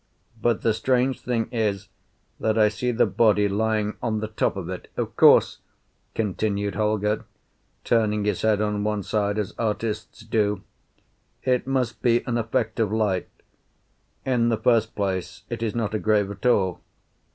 "But the strange thing is that I see the body lying on the top of it. Of course," continued Holger, turning his head on one side as artists do, "it must be an effect of light. In the first place, it is not a grave at all.